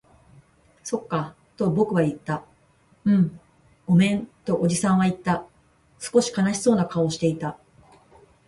そっか、と僕は言った。うん、ごめん、とおじさんは言った。少し悲しそうな顔をしていた。